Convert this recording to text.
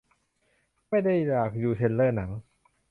ไม่ได้อยากดูเทรลเลอร์หนัง